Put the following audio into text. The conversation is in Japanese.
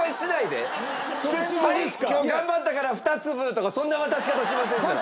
はい今日頑張ったから２粒とかそんな渡し方しませんから。